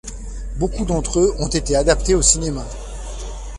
Beaucoup d'entre eux ont été adaptés au cinéma.